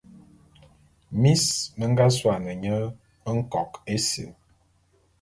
Mis me nga suane nye Nkok-Esil.